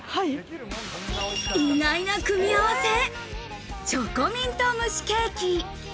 意外な組み合わせ、チョコミント蒸しケーキ。